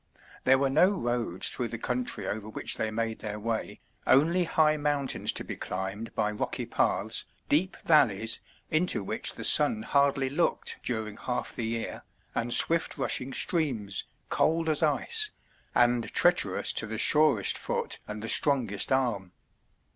There were no roads through the country over which they made their way, only high mountains to be climbed by rocky paths, deep valleys into which the sun hardly looked during half the year, and swift rushing streams, cold as ice, and treacherous to the surest foot and the strongest arm.